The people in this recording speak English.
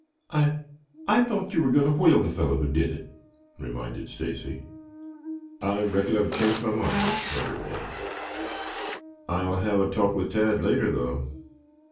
"I I thought you were going to whale the fellow who did it," reminded Stacy. "I reckon I've changed my mind," muttered Ned. "I'll have a talk with Tad later, though."